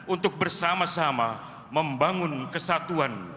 untuk bersama sama membangun kesatuan